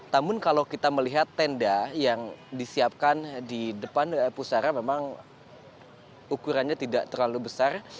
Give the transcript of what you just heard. namun kalau kita melihat tenda yang disiapkan di depan pusara memang ukurannya tidak terlalu besar